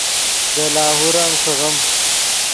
دے لاہور ام ݰیغیم